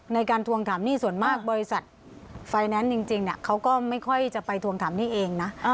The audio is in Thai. ทวงถามหนี้ส่วนมากบริษัทไฟแนนซ์จริงเขาก็ไม่ค่อยจะไปทวงถามหนี้เองนะ